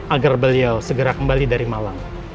agar beliau segera kembali dari malang